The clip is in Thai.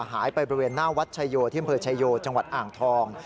หายไปบริเวณหน้าวัดชายโยที่อำเภอชายโยจังหวัดอ่างทอง